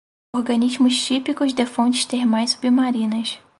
Organismos típicos de fontes termais submarinas